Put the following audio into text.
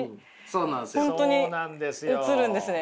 そうなんですよ。